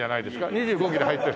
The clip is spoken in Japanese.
２５キロ入ってる？